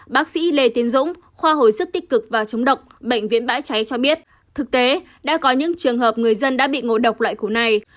bác sĩ lê tiến dũng khoa hồi sức tích cực và chống độc bệnh viện bãi cháy cho biết thực tế đã có những trường hợp người dân đã bị ngộ độc loại cũ này